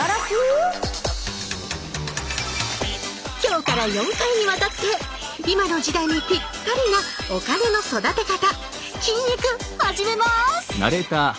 今日から４回にわたって今の時代にぴったりなお金の育て方「金育」始めます。